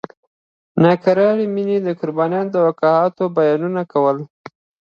د ناکرارې مینې او قربانیو واقعاتو بیانونه کول.